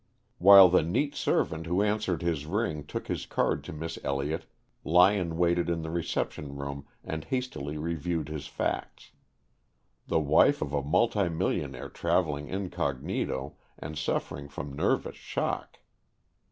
"While the neat servant who answered his ring took his card to Miss Elliott, Lyon waited in the reception room and hastily reviewed his facts. The wife of a multimillionaire traveling incog., and suffering from nervous shock.